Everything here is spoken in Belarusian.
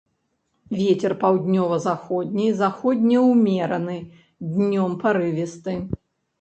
Вецер паўднёва-заходні, заходні ўмераны, днём парывісты.